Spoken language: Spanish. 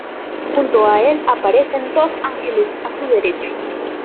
Junto a Él aparecen dos ángeles a su derecha.